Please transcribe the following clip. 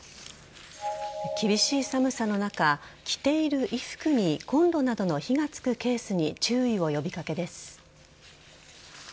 厳しい寒さの中着ている衣服にコンロなどの火がつくケースに注意を呼び掛けです。